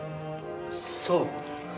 そう。